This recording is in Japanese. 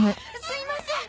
すいません。